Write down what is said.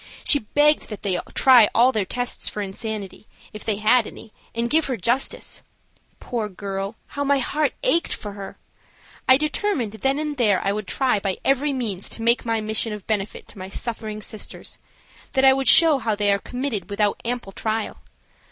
She begged that they try all their tests for insanity, if they had any, and give her justice. Poor girl, how my heart ached for her! I determined then and there that I would try by every means to make my mission of benefit to my suffering sisters; that I would show how they are committed without ample trial.